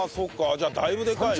じゃあだいぶでかいね。